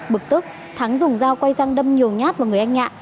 bực tức thắng dùng dao quay sang đâm nhiều nhát vào người anh nhạ